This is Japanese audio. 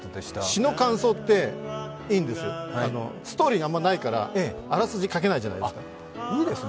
詩の感想っていいんです、ストーリーがあんまりないからあらすじ書けないじゃないですか。